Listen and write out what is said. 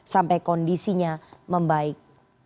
sampai kondisinya membaik